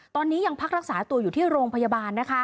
ตอนนี้ยังพักรักษาตัวอยู่ที่โรงพยาบาลนะคะ